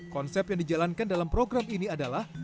konsep yang dijalankan dalam program ini adalah